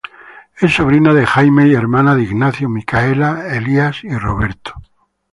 Es sobrina de Jaime y hermana de Ignacio, Micaela, Elias y Roberto.